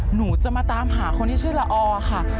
หนูจะมาตามหาคนที่ชื่อละอค่ะ